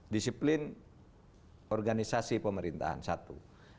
disiplin organisasi pemerintahan satu